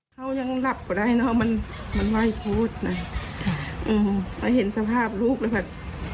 เขายังหลับก็ได้เนอะมันไหว้พูดนะมันเห็นสภาพลูกเลยแบบ